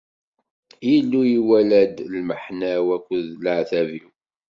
Illu iwala-d lmeḥna-w akked leɛtab-iw.